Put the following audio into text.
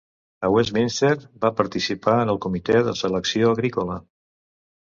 A Westminster, va participar en el Comitè de Selecció Agrícola.